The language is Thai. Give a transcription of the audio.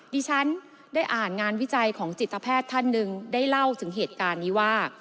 ดิฉันได้อ่านงานวิจัยของจิตแพทย์ท่านหนึ่งได้เล่าถึงเหตุการณ์นี้ว่า